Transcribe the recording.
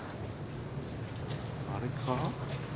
あれか？